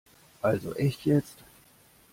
Also echt jetzt!